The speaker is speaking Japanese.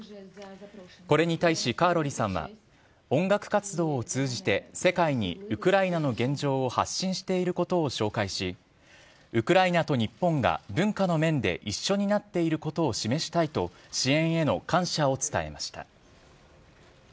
これに対しカーロリさんは、音楽活動を通じて、世界にウクライナの現状を発信していることを紹介し、ウクライナと日本が文化の面で一緒になっていることを示したいと、支援への感謝を伝えました。